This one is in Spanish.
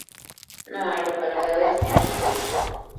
No hay localidades en su curso.